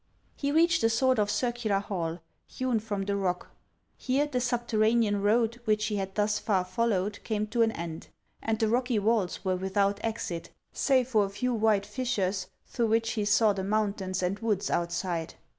He reached a sort of circular hall, hewn from the rock. Here the subterranean road which he had thus far followed came to an end, and the rocky walls were without exit, save for a few wide fissures, through which he saw the mountains and woods outside.